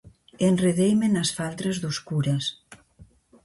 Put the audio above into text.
Enredeime nas faldras dos curas.